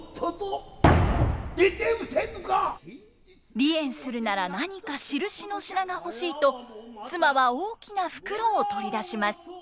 離縁するなら何かしるしの品が欲しいと妻は大きな袋を取り出します。